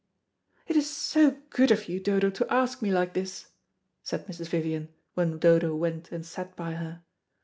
"It is so good of you, Dodo, to ask me like this," said Mrs. Vivian, when Dodo went and sat by her.